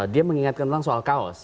dia mengingatkan soal kaos